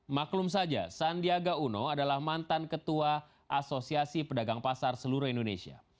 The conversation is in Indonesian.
maklum saja sandiaga uno adalah mantan ketua asosiasi pedagang pasar seluruh indonesia